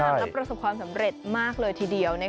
แล้วประสบความสำเร็จมากเลยทีเดียว